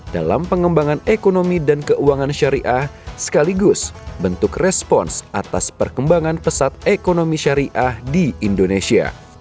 dalam pengembangan ekonomi dan keuangan syariah sekaligus bentuk respons atas perkembangan pesat ekonomi syariah di indonesia